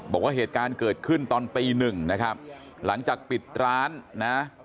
บอกว่าเหตุการณ์เกิดขึ้นตอนตีหนึ่งนะครับหลังจากปิดร้านนะ